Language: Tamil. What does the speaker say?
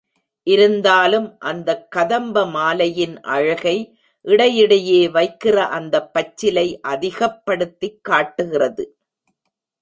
இருந்தாலும் அந்தக் கதம்ப மாலையின் அழகை, இடையிடையே வைக்கின்ற அந்தப் பச்சிலை அதிகப்படுத்திக் காட்டுகிறது.